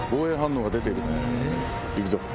行くぞ。